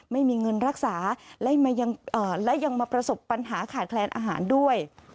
ไม่มีเงินรักษาและยังมาประสบปัญหาขาดแคลนอาหารด้วย